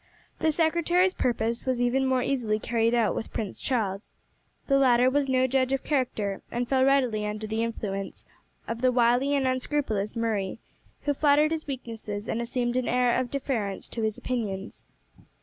The secretary's purpose was even more easily carried out with Prince Charles. The latter was no judge of character, and fell readily under the influence of the wily and unscrupulous Murray, who flattered his weaknesses and assumed an air of deference to his opinions.